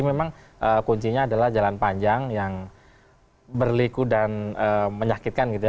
kalau ada yang mencengang itu ya itu adalah jalan panjang yang berliku dan menyakitkan gitu ya